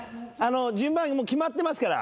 順番決まってますから。